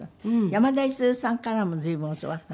山田五十鈴さんからも随分教わった？